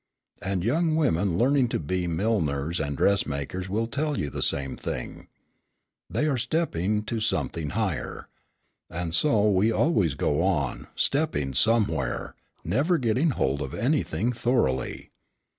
And young women learning to be milliners and dressmakers will tell you the same. All are stepping to something higher. And so we always go on, stepping somewhere, never getting hold of anything thoroughly.